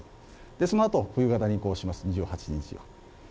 そのあと冬型に移行します、２８日は。